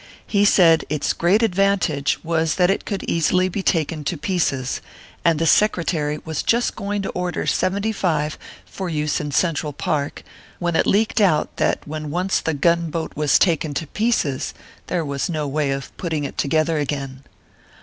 He said its great advantage was that it could easily be taken to pieces ; and the Secretary was just going to order seventy five for use in Central Park, when it leaked out that when once the gun boat was taken to pieces there was no way of putting it together again.